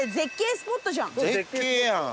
絶景やん。